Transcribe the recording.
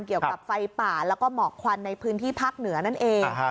เกี่ยวกับไฟป่าแล้วก็หมอกควันในพื้นที่ภาคเหนือนั่นเอง